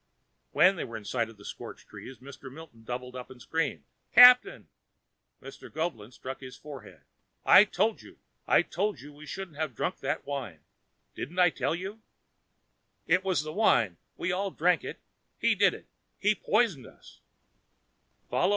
When they were in sight of the scorched trees, Mr. Milton doubled up and screamed. "Captain!" Mr. Goeblin struck his forehead. "I told you, I told you we shouldn't have drunk that wine! Didn't I tell you?" "It was the wine and we all drank it. He did it, he poisoned us!"